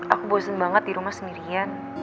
aku bosen banget di rumah sendirian